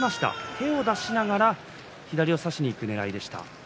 手を出しながら左を差しにいくねらいでした。